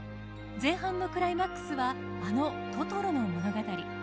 前半のクライマックスはあの「トトロ」の物語。